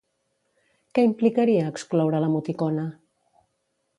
Què implicaria excloure l'emoticona?